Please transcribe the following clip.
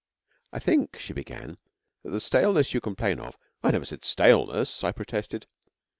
'I think,' she began, 'that the staleness you complain of ' 'I never said "staleness,"' I protested.